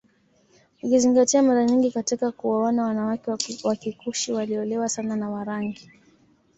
Ukizingatia mara nyingi katika kuoana wanawake wa Kikushi waliolewa sana na Warangi